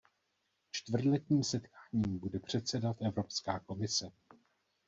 Čtvrtletním setkáním bude předsedat Evropská komise.